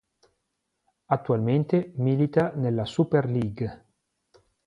Attualmente milita nella Super League.